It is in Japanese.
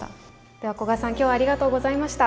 では古賀さん今日はありがとうございました。